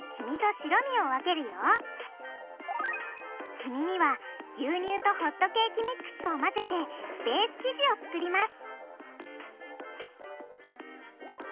黄身には牛乳とホットケーキミックスを混ぜてベース生地を作ります